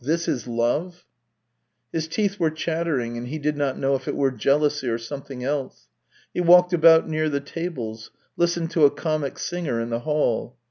" This is love !" His teeth were chattering, and he did not know if it were jealousy or something else. He walked about near the tables; listened to a comic singer in the hall.